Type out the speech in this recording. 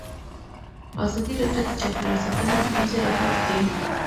ازادي راډیو د چاپیریال ساتنه ستونزې راپور کړي.